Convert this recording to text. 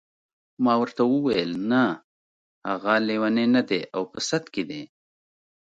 ما ورته وویل نه هغه لیونی نه دی او په سد کې دی.